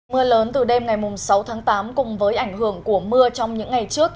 mưa lớn từ đêm ngày sáu tháng tám cùng với ảnh hưởng của mưa trong những ngày trước